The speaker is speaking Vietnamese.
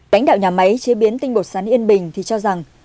lãnh đạo nhà máy chế biến tinh bột sắn yên bình thì cho rằng